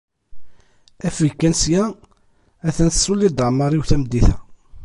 afeg kan sya, ha-t-an tessuliḍ-d ɛemmar-iw tameddit-a.